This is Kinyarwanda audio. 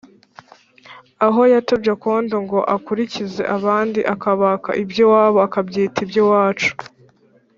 Aho yatobye akondoNgo akurikize abandi, akabaka iby’iwabo akabyita iby’iwacu